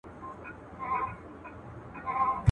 ړوند خپله همسا يو وار ورکوي.